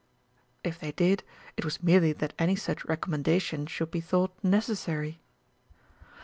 (If they did, it was merely that any such recommendation should be thought necessary.)